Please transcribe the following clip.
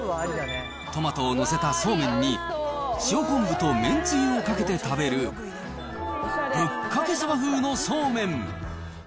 トマトを載せたそうめんに、塩昆布とめんつゆをかけて食べる、ぶっかけそば風のそうめん。